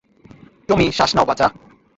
টমি, শ্বাস নাও, বাছা।